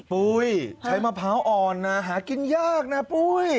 ปุ้ยใช้มะพร้าวอ่อนนะหากินยากนะปุ้ย